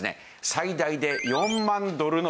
最大で４万ドルの罰金。